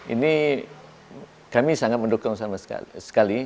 ini kami sangat mendukung sama sekali